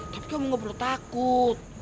tapi kamu nggak perlu takut